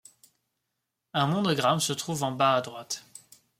Un monogramme se trouve en bas à droite.